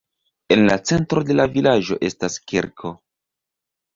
En la centro de la vilaĝo estas kirko.